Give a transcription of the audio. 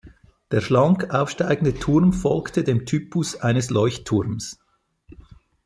Der schlank aufsteigende Turm folgte dem Typus eines Leuchtturms.